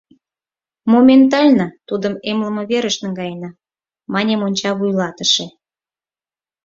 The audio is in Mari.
Моментально тудым эмлыме верыш наҥгаена, — мане монча вуйлатыше.